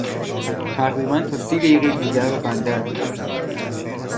تقریباً تا سی دقیقه دیگر به بندر می رسیم.